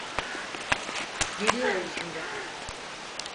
Geliyorum şimdi.